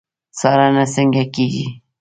څارنه څنګه کیږي؟